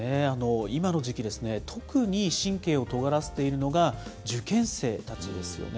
今の時期ですね、特に神経をとがらせているのが、受験生たちですよね。